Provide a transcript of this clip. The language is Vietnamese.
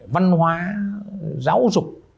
văn hóa giáo dục